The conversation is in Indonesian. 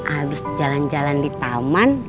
abis jalan jalan di taman